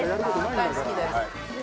大好きです